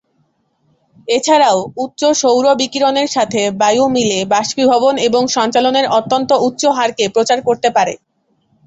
এছাড়াও, উচ্চ সৌর বিকিরণের সাথে বায়ু মিলে বাষ্পীভবন এবং সঞ্চালনের অত্যন্ত উচ্চ হারকে প্রচার করতে পারে।